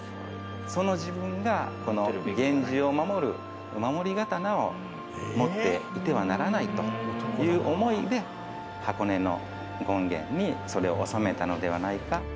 その自分が源氏を守る守り刀を持っていてはならないという思いで箱根の権現にそれを納めたのではないか。